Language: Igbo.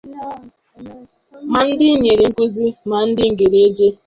ma ndị nyere nkuzi ma ndị gere ègè